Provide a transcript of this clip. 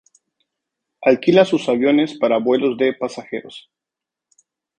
Alquila sus aviones para vuelos de pasajeros.